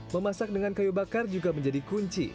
memasak dengan kayu bakar juga menjadi kunci